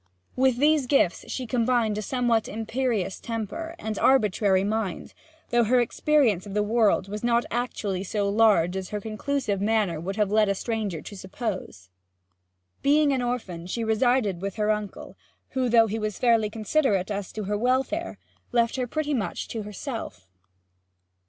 With these gifts she combined a somewhat imperious temper and arbitrary mind, though her experience of the world was not actually so large as her conclusive manner would have led the stranger to suppose. Being an orphan, she resided with her uncle, who, though he was fairly considerate as to her welfare, left her pretty much to herself.